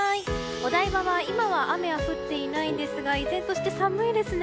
お台場は今は雨が降っていないんですが依然として寒いですね。